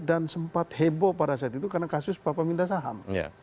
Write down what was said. dan sempat heboh pada saat itu karena kasus papa minta saham